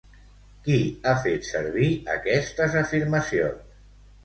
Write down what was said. Qui ha fet servir aquestes afirmacions?